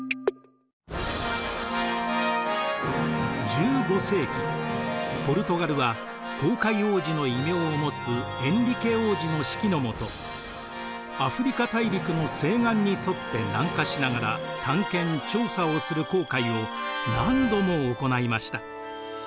１５世紀ポルトガルは航海王子の異名を持つエンリケ王子の指揮の下アフリカ大陸の西岸に沿って南下しながら探検調査をする航海を何度も行いました。